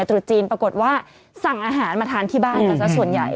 ตรุษจีนปรากฏว่าสั่งอาหารมาทานที่บ้านกันสักส่วนใหญ่